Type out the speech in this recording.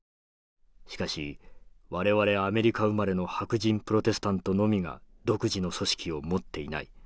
しかし我々アメリカ生まれの白人プロテスタントのみが独自の組織を持っていない。